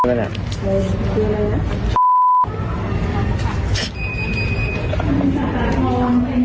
เฮ้ยชาวอะไรเนี่ย